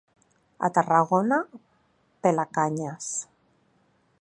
A Tarragona, pelacanyes.